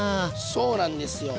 そうなんですよ。